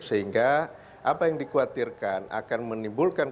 sehingga apa yang dikhawatirkan akan menimbulkan